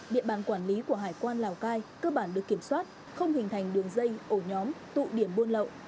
địa bàn quản lý của hải quan lào cai cơ bản được kiểm soát không hình thành đường dây ổ nhóm tụ điểm buôn lậu